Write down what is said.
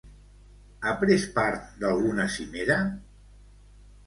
Ha pres part d'alguna cimera?